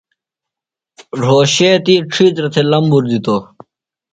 روھوشے تی ڇِھیترہ تھےۡ لمبُر دِتوۡ۔